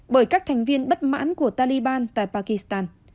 bởi các thành viên bất mãn của taliban tại pakistan